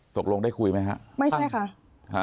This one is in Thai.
ตกลงได้คุยไหมฮะไม่ใช่ค่ะ